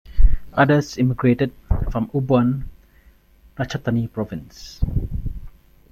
Others immigrated from Ubon Ratchathani Province.